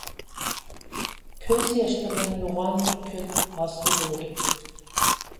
كۆز ياشلىرىدىن يوغان بىر كۆل ھاسىل بولىدۇ.